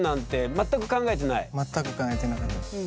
全く考えてなかったです。